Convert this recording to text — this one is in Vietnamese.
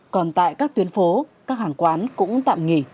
còn tại các tuyến phố các hàng quán cũng tạm nghỉ